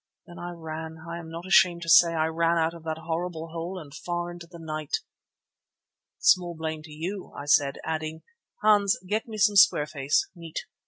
Then I ran; I am not ashamed to say I ran out of that horrible hole and far into the night." "Small blame to you," I said, adding: "Hans, give me some square face neat."